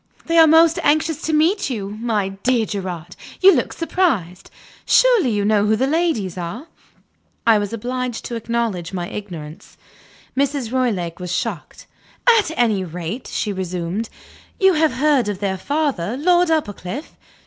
They are most anxious to meet you. My dear Gerard! you look surprised. Surely you know who the ladies are?" I was obliged to acknowledge my ignorance. Mrs. Roylake was shocked. "At any rate," she resumed, "you have heard of their father, Lord Uppercliff?"